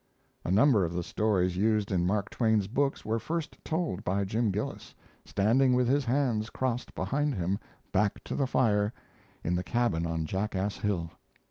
A number of the stories used in Mark Twain's books were first told by Jim Gillis, standing with his hands crossed behind him, back to the fire, in the cabin on jackass Hill.